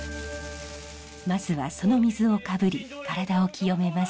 まずはその水をかぶり体を浄めます。